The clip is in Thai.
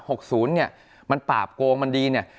หกศูนย์มันปราบโกงมันดี